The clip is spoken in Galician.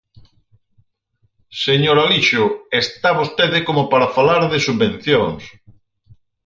Señor Alixo, ¡está vostede como para falar de subvencións!